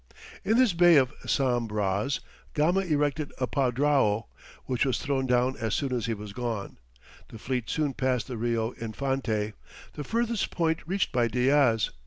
In this Bay of Sam Braz Gama erected a padrao, which was thrown down as soon as he was gone. The fleet soon passed the Rio Infante, the furthest point reached by Diaz.